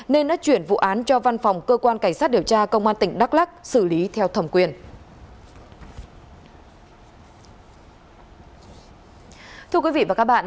nên đã chuyển vụ án cho văn phòng cơ quan cảnh sát điều tra công an tỉnh đắk lắc xử lý theo thẩm quyền